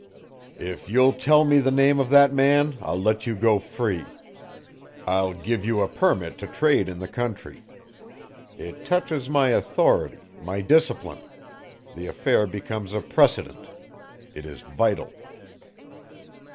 "If you'll tell me the name of that man I'll let you go free. I'll give you a permit to trade in the country. It touches my authority my discipline. The affair becomes a precedent. It is vital."